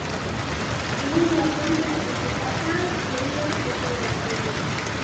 Filimbi ya kwanza ikikataa kulia hupewa ya pili